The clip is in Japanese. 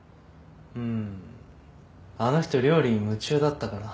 うんあの人料理に夢中だったから。